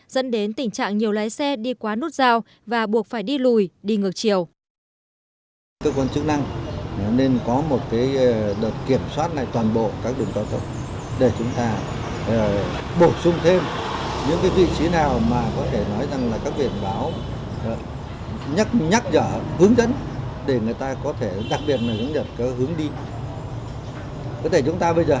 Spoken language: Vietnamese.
dẫn đến tình trạng nhiều lái xe đi quá nút rào và buộc phải đi lùi đi ngược chiều